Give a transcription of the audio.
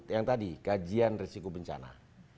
yang tadi kajian risiko bencana